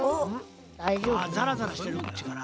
ザラザラしてるっちから？